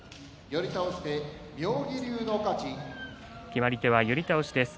決まり手は寄り倒しです。